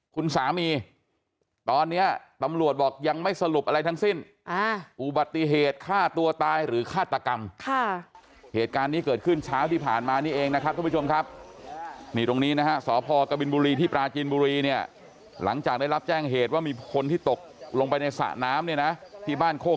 คุณสามีตอนเนี้ยตำรวจบอกยังไม่สรุปอะไรทั้งสิ้น